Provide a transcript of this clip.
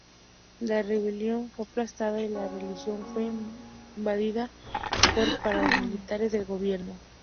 La rebelión fue aplastada y la región fue invadida por paramilitares del gobierno.